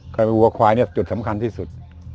ใครเป็นวัวควายเนี่ยจุดสำคัญที่สุด